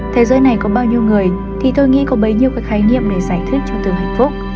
thế giới này có bao nhiêu người thì tôi nghĩ có bấy nhiêu cái khái niệm để giải thích cho tôi hạnh phúc